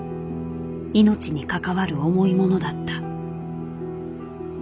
命に関わる重いものだった。